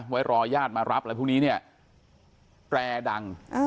ไว้รอญาติมารับอะไรพวกนี้เนี่ยแปรดัง